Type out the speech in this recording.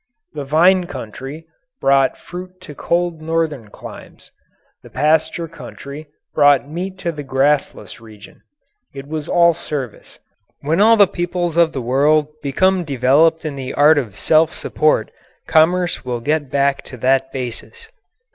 The vine country brought fruit to cold northern climes. The pasture country brought meat to the grassless region. It was all service. When all the peoples of the world become developed in the art of self support, commerce will get back to that basis.